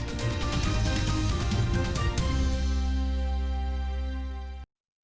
bagaimana badai corona menghantar ekonomi kita cnn indonesia prime news segera kembali